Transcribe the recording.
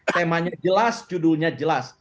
temanya jelas judulnya jelas